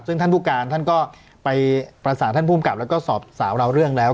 ซึ่งท่านผู้การท่านก็ไปประสานท่านภูมิกับแล้วก็สอบสาวเราเรื่องแล้ว